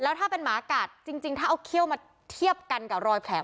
แล้วถ้าเป็นหมากัดจริงถ้าเอาเขี้ยวมาเทียบกันกับรอยแผล